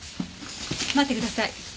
待ってください。